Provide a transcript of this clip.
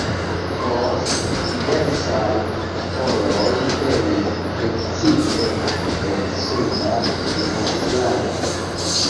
Poste diversaj popoloj venis precipe el suda Jugoslavio.